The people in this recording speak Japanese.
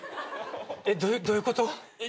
えっどういうこと？